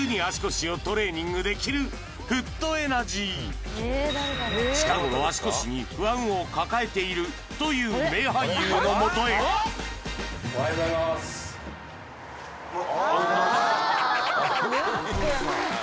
はい楽に近頃足腰に不安を抱えているという名俳優のもとへおはようございますあっ